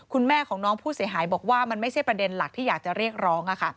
คุณแม่ของน้องผู้เสียหายบอกว่ามันไม่ใช่ประเด็นหลักที่อยากจะเรียกร้อง